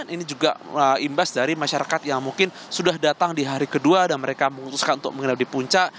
ini juga imbas dari masyarakat yang mungkin sudah datang di hari kedua dan mereka memutuskan untuk mengenal di puncak